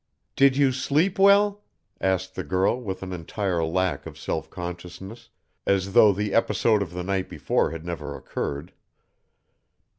"Did you sleep well?" asked the girl with an entire lack of self consciousness, as though the episode of the night before had never occurred.